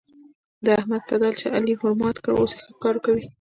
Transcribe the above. د احمد پدل چې علي ورمات کړ؛ اوس ښه کار کوي.